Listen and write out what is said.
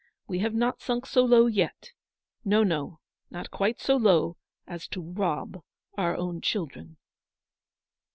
We have not sunk so low, yet. No, no, not quite so low as to rob our own children."